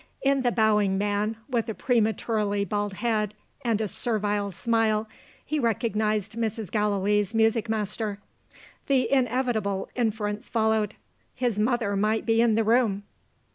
In the bowing man, with a prematurely bald head and a servile smile, he recognized Mrs. Gallilee's music master. The inevitable inference followed. His mother might be in the room.